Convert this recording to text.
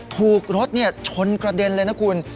ถูกรถชนกระเด็นเลยนะคุณ